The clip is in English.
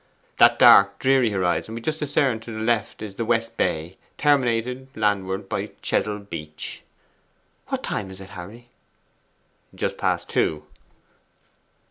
That dark, dreary horizon we just discern to the left is the West Bay, terminated landwards by the Chesil Beach.' 'What time is it, Harry?' 'Just past two.